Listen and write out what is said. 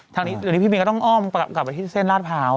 เดี๋ยวนี้พี่บินก็ต้องอ้อมกลับไปที่เส้นลาดพร้าว